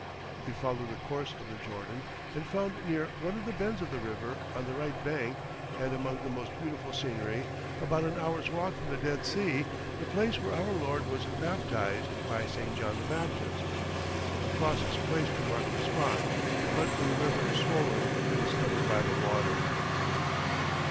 He followed the course of the Jordan, and found near one of the bends of the river on the right bank, and among the most beautiful scenery, about an hour's walk from the Dead Sea, the place where our Lord was baptized by St. John the Baptist. A cross is placed to mark the spot, but when the river is swollen, it is covered by the water.